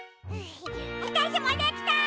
わたしもできた！